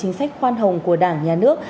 chính sách khoan hồng của đảng nhà nước